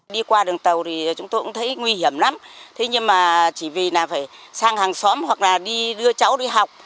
đi qua đường tàu thì chúng tôi cũng thấy nguy hiểm lắm thế nhưng mà chỉ vì là phải sang hàng xóm hoặc là đi đưa cháu đi học